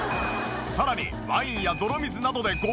さらにワインや泥水などで豪快に！